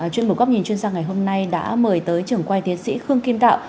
chuyên mục góp nhìn chuyên sạc ngày hôm nay đã mời tới trưởng quay tiến sĩ khương kim tạo